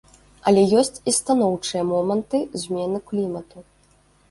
Але ёсць і станоўчыя моманты змены клімату.